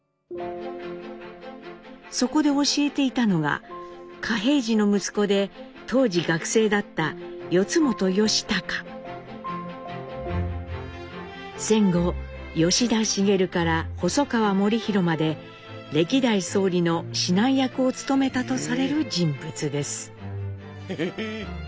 そこで教えていたのが嘉平次の息子で当時学生だった戦後吉田茂から細川護煕まで歴代総理の指南役を務めたとされる人物です。